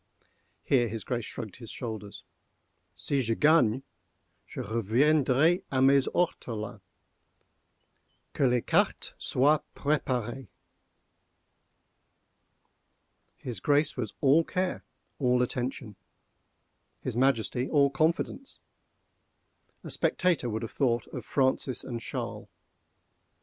_ (Here his Grace shrugged his shoulders.) Si je gagne, je reviendrai a mes ortolans—que les cartes soient préparées!" His Grace was all care, all attention—his Majesty all confidence. A spectator would have thought of Francis and Charles.